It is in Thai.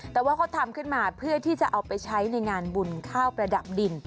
แต่ว่าเขาทำขึ้นมาเพื่อที่จะเอาไปใช้ในงานบุญข้าวประดับดิน